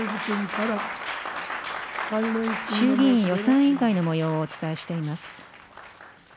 衆議院予算委員会のもようをお伝えしています。